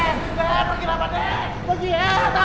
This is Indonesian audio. eh pergi bagi setan